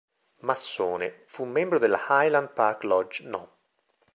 Massone, fu membro della "Highland Park Lodge" No.